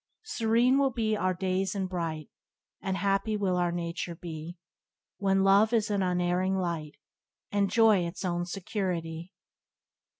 Serene will be our days and bright, And happy will our nature be, When love is an unerring light, And joy its own security."